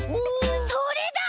それだ！